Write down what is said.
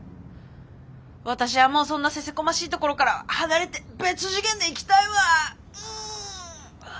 私はもうそんなせせこましいところから離れて別次元で生きたいわ。